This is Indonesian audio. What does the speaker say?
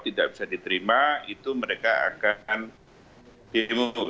tidak bisa diterima itu mereka akan demo